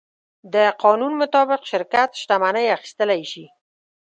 د قانون مطابق شرکت شتمنۍ اخیستلی شي.